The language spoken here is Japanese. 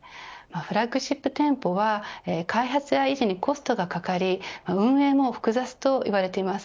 フラッグシップ店舗は開発や維持にコストがかかり運営も複雑といわれています。